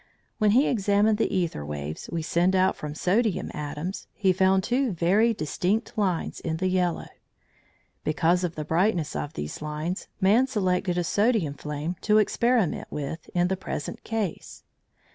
When he examined the æther waves we send out from sodium atoms, he found two very distinct lines in the yellow. Because of the brightness of these lines, man selected a sodium flame to experiment with in the present case.